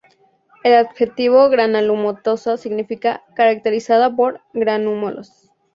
El adjetivo granulomatosa significa "caracterizada por granulomas".